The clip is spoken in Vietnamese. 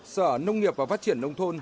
sở nông nghiệp và phát triển nông thôn